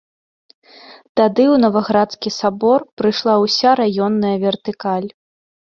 Тады ў наваградскі сабор прыйшла ўся раённая вертыкаль.